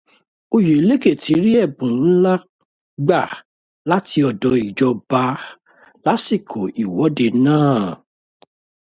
Oyèlékè ti rí ẹ̀bùn ńlá gbà láti ọ̀dọ̀ ìjọba lásìkò ìwọ́de náà